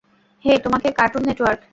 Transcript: হে তোমাকে, Cartoon network.